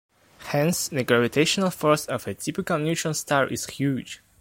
Hence, the gravitational force of a typical neutron star is huge.